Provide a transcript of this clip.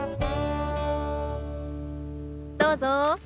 どうぞ。